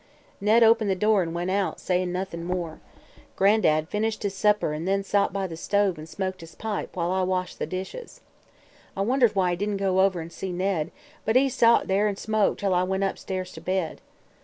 "Ned opened the door an' went out, sayin' noth'n' more. Gran'dad finished his supper an' then sot by the stove an' smoked his pipe while I washed the dishes. I wondered why he didn't go over an' see Ned, but he sot there an' smoked till I went upstairs to bed.